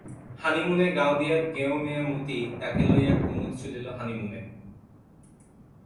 হনিমুনে গাওদিয়ার গেঁয়ো মেয়ে মতি, তাকে লইয়া কুমুদ চলিল হনিমুনে।